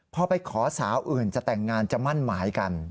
พอไปขอสาวอื่นจะแต่งงานจะมั่นหมายกัน